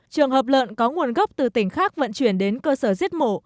trường hợp lợn có nguồn gốc từ tỉnh khác vận chuyển đến cơ sở giết mổ